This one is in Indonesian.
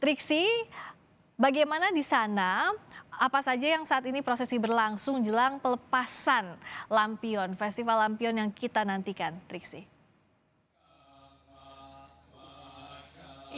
triksi bagaimana di sana apa saja yang saat ini prosesi berlangsung jelang pelepasan lampion festival lampion yang kita nantikan triksi